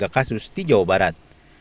dua puluh tiga kasus di jawa barat